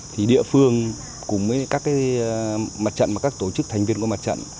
thì địa phương cùng với các tổ chức thành viên của mặt trận